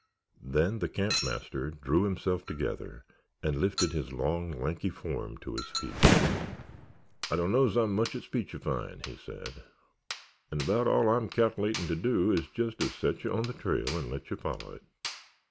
Then the camp master drew himself together and lifted his long, lanky form to his feet. "I dunno's I'm much on speechifyin'," he said, "'n' baout all I'm cal'latin' ter do is jes' ter set ye on the trail 'n' let ye folly it.